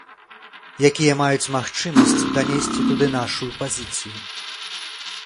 Якія маюць магчымасць данесці туды нашу пазіцыю.